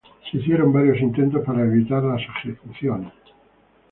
Se hicieron varios intentos para evitar las ejecuciones.